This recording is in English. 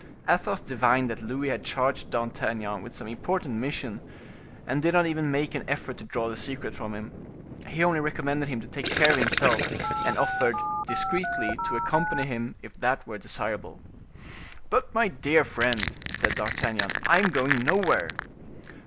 Athos divined that Louis had charged D'Artagnan with some important mission, and did not even make an effort to draw the secret from him. He only recommended him to take care of himself, and offered discreetly to accompany him if that were desirable. "But, my dear friend," said D'Artagnan, "I am going nowhere."